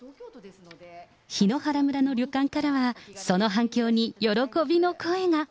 檜原村の旅館からは、その反響に喜びの声が。